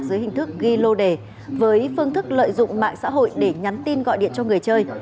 dưới hình thức ghi lô đề với phương thức lợi dụng mạng xã hội để nhắn tin gọi điện cho người chơi